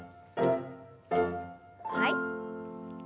はい。